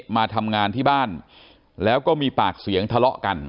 มาทำงานที่บ้านแล้วก็มีปากเสียงทะเลาะกัน